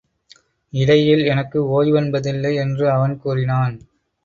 இடையில் எனக்கு ஒய்வென்பதில்லை! என்று அவன் கூறினான்.